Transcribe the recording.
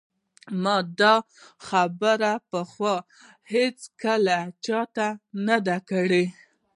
ما دا خبره پخوا هیڅکله چا ته نه ده کړې